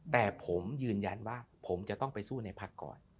แต่ผมยืนยันว่าผมจะต้องไปสู้ในพักก่อน